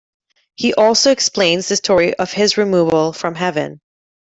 He also explains the story of his removal from heaven.